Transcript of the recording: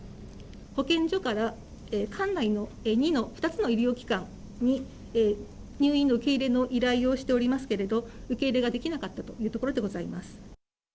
保健所から管内の２つの医療機関に、入院の受け入れの依頼をしておりますけれども、受け入れができなかったというところでございます。